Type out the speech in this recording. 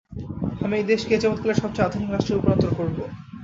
আমি এই দেশকে এযাবৎকালের সবচেয়ে আধুনিক রাষ্ট্রে রূপান্তর করব!